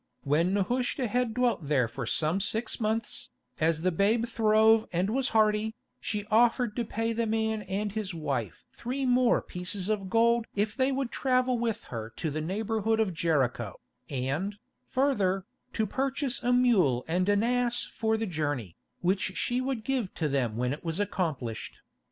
When Nehushta had dwelt there for some six months, as the babe throve and was hearty, she offered to pay the man and his wife three more pieces of gold if they would travel with her to the neighbourhood of Jericho, and, further, to purchase a mule and an ass for the journey, which she would give to them when it was accomplished.